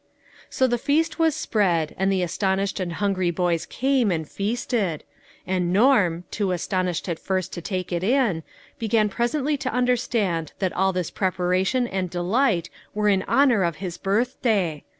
So the feast was spread, and the astonished and hungry boys came, and feasted. And Norm, too astonished at first to take it in, began presently to understand that all this prepara tion and delight were in honor of his birthday